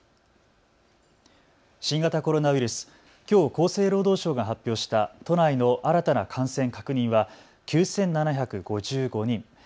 新型コロナウイルス、きょう厚生労働省が発表した都内の新たな感染確認は９７５５人。